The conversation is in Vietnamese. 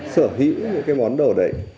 sở hữu những cái món đồ đấy